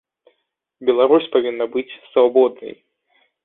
Беларусь павінна быць свабоднай.